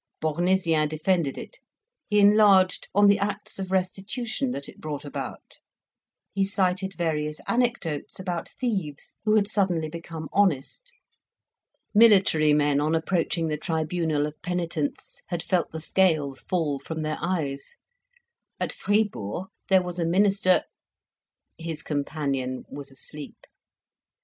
Bournisien defended it; he enlarged on the acts of restitution that it brought about. He cited various anecdotes about thieves who had suddenly become honest. Military men on approaching the tribunal of penitence had felt the scales fall from their eyes. At Fribourg there was a minister His companion was asleep.